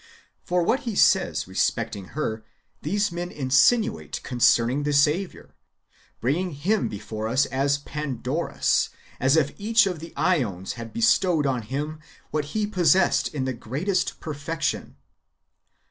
For what he says respecting her, these men insinuate concerning the Saviour, bringing Him before us as Pandoros (All gifted), as if each of the ^ons had bestowed on Him what He possessed in the greatest perfection.